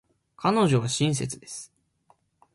彼女は親切です。